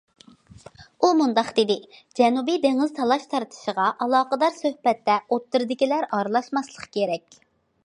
ئۇ مۇنداق دېدى: جەنۇبىي دېڭىز تالاش تارتىشىغا ئالاقىدار سۆھبەتتە ئوتتۇرىدىكىلەر ئارىلاشماسلىق كېرەك.